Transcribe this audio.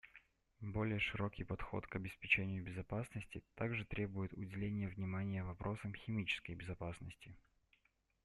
Более широкий подход к обеспечению безопасности также требует уделения внимания вопросам химической безопасности.